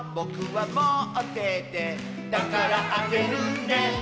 「だからあげるね」